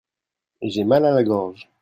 J'ai mal à la gorge.